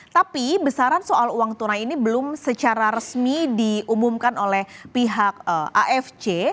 tapi besaran soal uang tunai ini belum secara resmi diumumkan oleh pihak afc